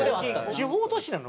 地方都市なの？